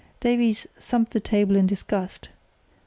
Davies thumped the table in disgust.